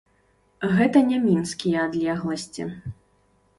Гэта не мінскія адлегласці.